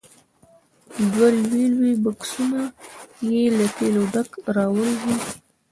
دوه لوی لوی بکسونه یې له تېلو ډک راوړي وو.